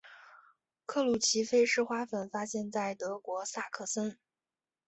克鲁奇菲氏花粉发现在德国萨克森。